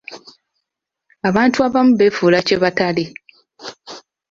Abantu abamu beefuula kye batali.